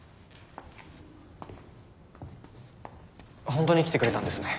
本当に来てくれたんですね。